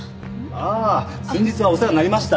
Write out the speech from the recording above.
ああ先日はお世話になりました。